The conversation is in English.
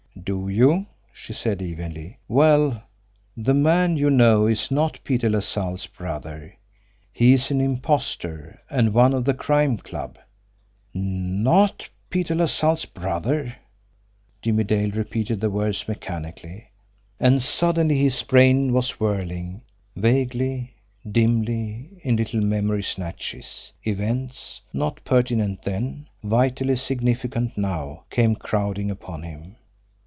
"Do you!" she said evenly. "Well, the man you know is not Peter LaSalle's brother; he is an impostor and one of the Crime Club." "Not Peter LaSalle's brother!" Jimmie Dale repeated the words mechanically. And suddenly his brain was whirling. Vaguely, dimly, in little memory snatches, events, not pertinent then, vitally significant now, came crowding upon him.